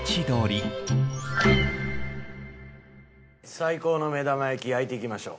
最高の目玉焼き焼いていきましょう。